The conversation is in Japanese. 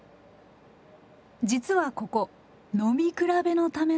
実はここ飲み比べのための場所。